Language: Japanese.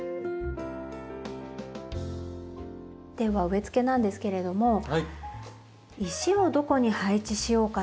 では植え付けなんですけれども石をどこに配置しようかな。